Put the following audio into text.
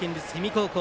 高校